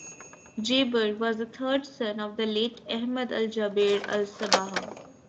Jaber was the third son of the late Ahmad Al-Jaber Al-Sabah.